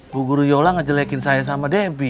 bu guru yola ngejelekin saya sama debbie